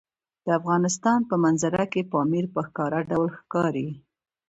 د افغانستان په منظره کې پامیر په ښکاره ډول ښکاري.